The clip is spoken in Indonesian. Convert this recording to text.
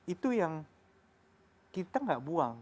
itu yang kita nggak buang